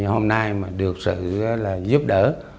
hôm nay mà được sự giúp đỡ